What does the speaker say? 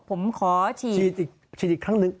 ผมขอฉีดอีกครั้งหนึ่ง